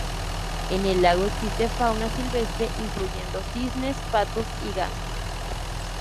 En el lago existe fauna silvestre, incluyendo cisnes, patos y gansos.